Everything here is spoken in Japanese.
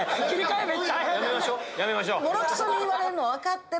ボロクソに言われるの分かってる。